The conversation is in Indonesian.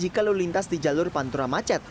jika lalu lintas di jalur pantura macet